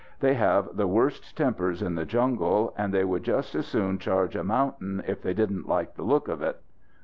They have the worst tempers in the jungle, and they would just as soon charge a mountain if they didn't like the look of it.